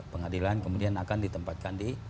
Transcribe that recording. pengadilan kemudian akan ditempatkan di